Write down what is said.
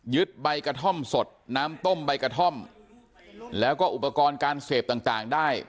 ใบกระท่อมสดน้ำต้มใบกระท่อมแล้วก็อุปกรณ์การเสพต่างได้